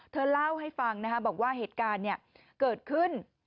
เธอเล่าให้ฟังบอกว่าเหตุการณ์เกิดขึ้น